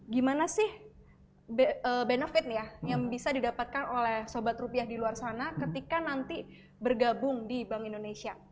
gimana sih benefit ya yang bisa didapatkan oleh sobat rupiah di luar sana ketika nanti bergabung di bank indonesia